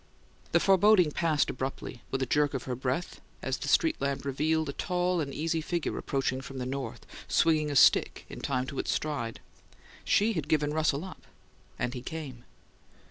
The foreboding passed abruptly, with a jerk of her breath, as the street lamp revealed a tall and easy figure approaching from the north, swinging a stick in time to its stride. She had given Russell up and he came.